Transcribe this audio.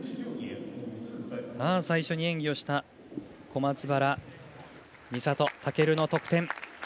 最初に演技をした小松原美里、尊の得点。